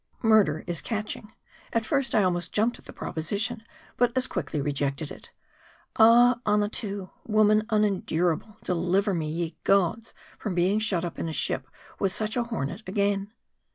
Murder is catching. At first I almost jumped at the proposition ; but as . quickly rejected it. Ah ! Annatoo : Woman unendurable : deliver me, ye gods, from being shut up in a ship with such a hornet again.